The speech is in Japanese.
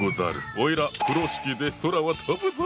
おいら風呂敷で空を飛ぶぞ！